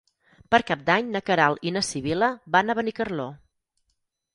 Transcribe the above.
Per Cap d'Any na Queralt i na Sibil·la van a Benicarló.